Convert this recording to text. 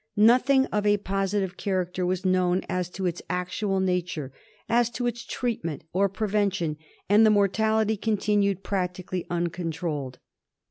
Nothing of a positive character was known as to its actual nature, as to its treatment or prevention, and the mortality continued practically uncontrolled.